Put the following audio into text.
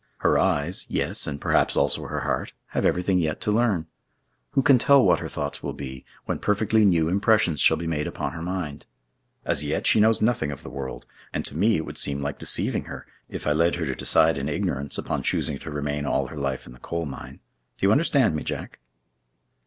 Her eyes—yes, and perhaps also her heart—have everything yet to learn. Who can tell what her thoughts will be, when perfectly new impressions shall be made upon her mind? As yet she knows nothing of the world, and to me it would seem like deceiving her, if I led her to decide in ignorance, upon choosing to remain all her life in the coal mine. Do you understand me, Jack?"